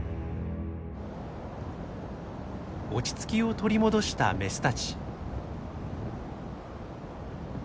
落ち着きを取り戻したメスたち。